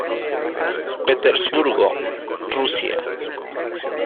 Petersburgo, Rusia.